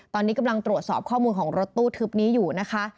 ตอนนี้กำลังตรวจสอบข้อมูลของรถตู้ทึบนี้อยู่นะคะ